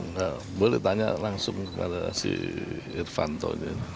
nggak boleh tanya langsung kepada si irvanto